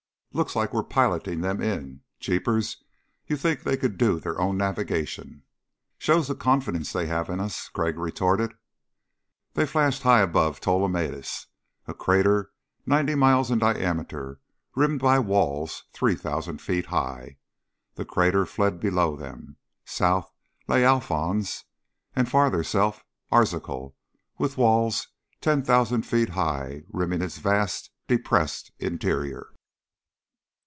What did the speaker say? "Looks like we're piloting them in. Jeepers, you'd think they could do their own navigation." "Shows the confidence they have in us," Crag retorted. They flashed high above Ptolemaeus, a crater ninety miles in diameter rimmed by walls three thousand feet high. The crater fled by below them. South lay Alphons; and farther south, Arzachel, with walls ten thousand feet high rimming its vast depressed interior.